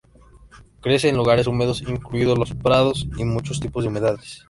Crece en lugares húmedos, incluidos los prados y muchos tipos de humedales.